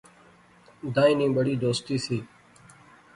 دائیں نی بڑی دوستی سی